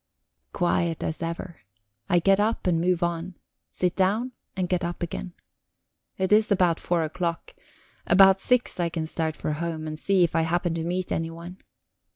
Quiet as ever. I get up and move on, sit down and get up again. It is about four o'clock; about six I can start for home, and see if I happen to meet anyone.